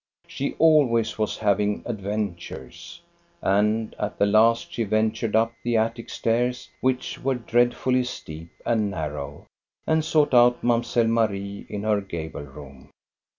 She always was having adventures. And at the last she iturcd up the attic stairs, which were dreadfully 244 THE STORY OF GOSTA BERLTNG Steep and narrow, and sought out Mamselle Marie in her gable room.